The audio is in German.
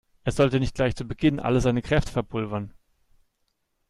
Er sollte nicht gleich zu Beginn all seine Kräfte verpulvern.